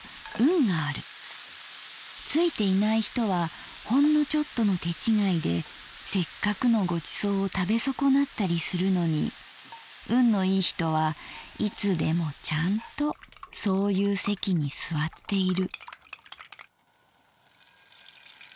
ついていない人はほんのちょっとの手違いで折角のご馳走を食べそこなったりするのに運のいい人はいつでもチャンとそういう席に坐っている」。